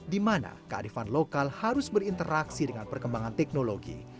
dimana keadilan lokal harus berinteraksi dengan perkembangan teknologi